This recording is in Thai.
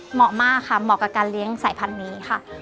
เหมาะมากค่ะเหมาะกับการเลี้ยงสายพันธุ์นี้ค่ะ